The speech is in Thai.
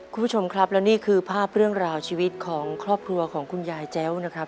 คุณผู้ชมครับและนี่คือภาพเรื่องราวชีวิตของครอบครัวของคุณยายแจ้วนะครับ